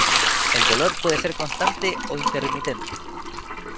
El dolor puede ser constante o intermitente.